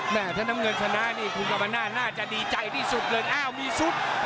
แน่ท่านน้ำเงินชนะนี่คุณกำลังน่าน่าจะดีใจที่สุดเลยอ้าวมีซุป